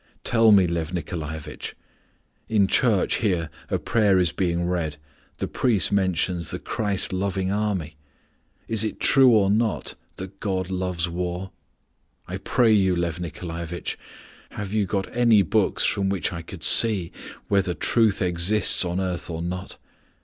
Tell me, Lyof Nikolaevitch. In church here a prayer is being read, the priest mentions the Christ loving army. Is it true or not that God loves war? I pray you, Lyof Nikolaevitch, have you got any books from which I could see whether truth exists on earth or not?